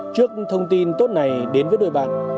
trước thông tin tốt này đến với đôi bạn